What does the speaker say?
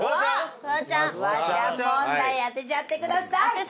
問題当てちゃってください。